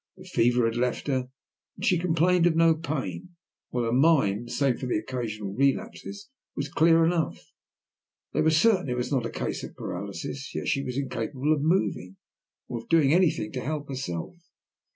The fever had left her, and she complained of no pain, while her mind, save for occasional relapses, was clear enough. They were certain it was not a case of paralysis, yet she was incapable of moving, or of doing anything to help herself.